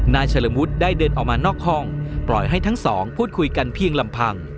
เฉลิมวุฒิได้เดินออกมานอกห้องปล่อยให้ทั้งสองพูดคุยกันเพียงลำพัง